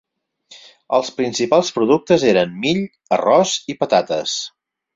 Els principals productes eren mill, arròs i patates.